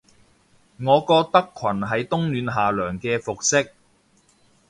我覺得裙係冬暖夏涼嘅服飾